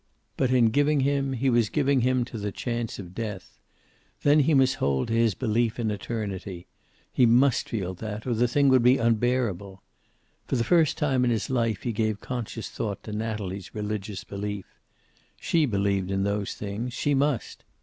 But in giving him he was giving him to the chance of death. Then he must hold to his belief in eternity. He must feel that, or the thing would be unbearable. For the first time in his life he gave conscious thought to Natalie's religious belief. She believed in those things. She must.